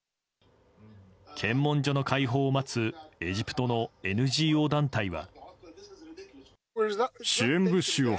検問所の開放を待つエジプトのＮＧＯ団体は。